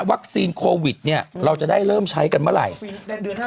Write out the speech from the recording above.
วัคซีนโควิดเนี่ยเราจะได้เริ่มใช้กันเมื่อไหร่ปีนี้เป็นเดือนหน้า